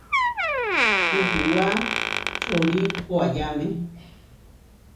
Kuhuwá čorí koayáme.